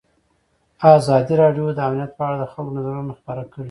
ازادي راډیو د امنیت په اړه د خلکو نظرونه خپاره کړي.